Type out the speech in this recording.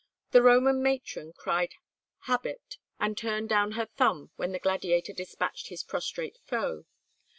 The Roman matron cried "habet," and turned down her thumb when the gladiator despatched his prostrate foe.